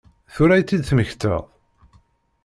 Tura i tt-id-temmektaḍ?